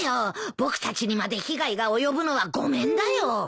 僕たちにまで被害が及ぶのはごめんだよ。